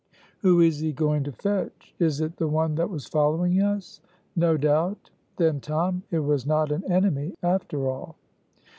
"Who is he going to fetch? is it the one that was following us?" "No doubt. Then, Tom, it was not an enemy, after all!"